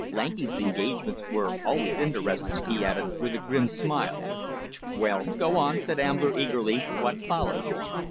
Lanky's engagements were always interestin'," he added, with a grim smile. "Well, go on," said Ambler, eagerly. "What followed?"